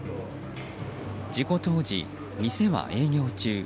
事故当時、店は営業中。